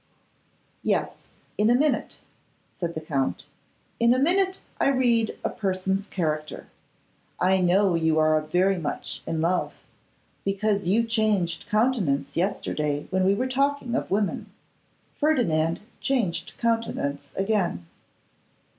'Yes; in a minute,' said the Count, 'in a minute I read a person's character. I know you are very much in love, because you changed countenance yesterday when we were talking of women.' Ferdinand changed countenance again.